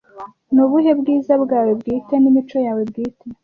ni ubuhe bwiza bwawe bwite n'imico yawe bwite